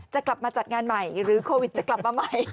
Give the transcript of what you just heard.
จะกลับมาจัดงานใหม่หรือโควิดจะกลับมาใหม่